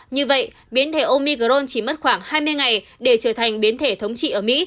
như vậy biến thể omi gron chỉ mất khoảng hai mươi ngày để trở thành biến thể thống trị ở mỹ